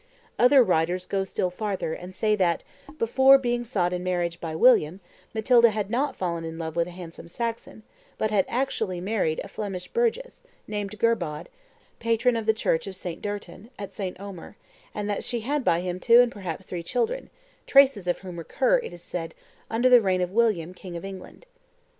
Other writers go still farther, and say that, before being sought in marriage by William, Matilda had not fallen in love with a handsome Saxon, but had actually married a Flemish burgess, named Gerbod, patron of the church of St. Dertin, at St. Omer, and that she had by him two and perhaps three children, traces of whom recur, it is said, under the reign of William, king of England.